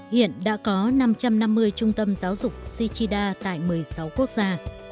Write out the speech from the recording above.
hiện đã có năm trăm năm mươi trung tâm giáo dục shichida tại một mươi sáu quốc gia